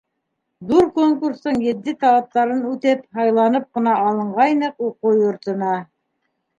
Ҙур конкурстың етди талаптарын үтеп, һайланып ҡына алынғайныҡ уҡыу йортона.